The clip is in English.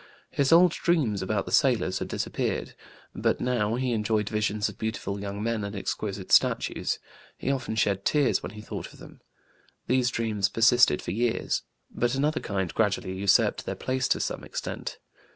His old dreams about the sailors had disappeared. But now he enjoyed visions of beautiful young men and exquisite statues; he often shed tears when he thought of them. These dreams persisted for years. But another kind gradually usurped their place to some extent.